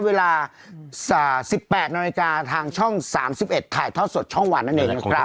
เวลา๑๘นาฬิกาทางช่อง๓๑ถ่ายทอดสดช่องวันนั่นเองนะครับ